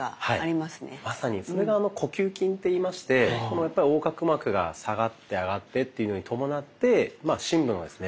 まさにそれが「呼吸筋」といいまして横隔膜が下がって上がってというのに伴って深部のですね